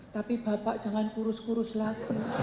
tapi bapak jangan kurus kurus lagi